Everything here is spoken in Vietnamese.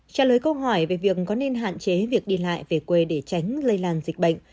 trả lời câu hỏi về việc có nên hạn chế việc đi lại về quê để tránh lây lan dịch bệnh